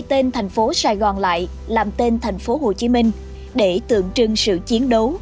đổi tên thành phố sài gòn lại làm tên thành phố hồ chí minh để tượng trưng sự chiến đấu